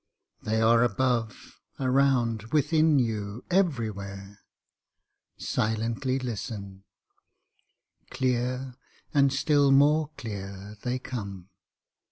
They are above, around, within you, everywhere. Silently listen! Clear, and still more clear, they come.